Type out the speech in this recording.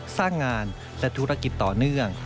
สร้างงานและธุรกิจต่อเนื่อง